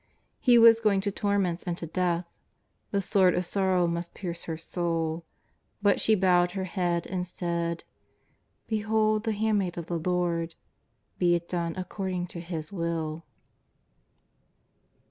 He was going to torments and to death ; the sword of sorrow must pierce her soul ; but she bowed her head and said :" Behold the handmaid of the Lord, be it done according to His Will.''